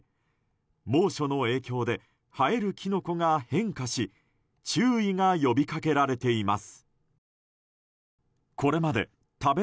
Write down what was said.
猛暑の影響で生えるキノコが変化し注意が呼びかけられています。